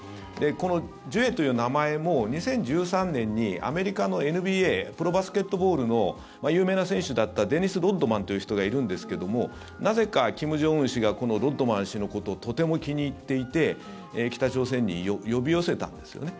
このジュエという名前も２０１３年にアメリカのＮＢＡプロバスケットボールの有名な選手だったデニス・ロッドマンという人がいるんですけどもなぜか金正恩氏がこのロッドマン氏のことをとても気に入っていて北朝鮮に呼び寄せたんですよね。